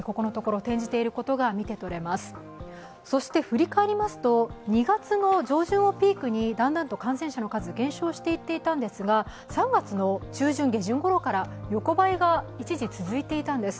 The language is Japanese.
振り返りますと、２月の上旬をピークにだんだんと感染者の数、減少していっていたんですが３月の中旬、下旬ごろから横ばいが一時、続いていたんです。